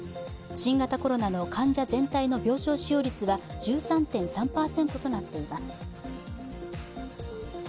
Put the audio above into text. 新型コロナの患者全体の病床使用率は１３．３％となっています。